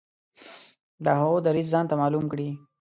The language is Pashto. د هغوی دریځ ځانته معلوم کړي.